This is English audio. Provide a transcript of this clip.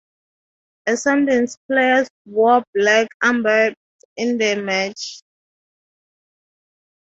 Essendon's players wore black armbands in the match.